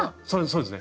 そうですね。